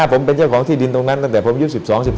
ผมเป็นเจ้าของที่ดินตรงนั้นตั้งแต่ผมอายุ๑๒๑๔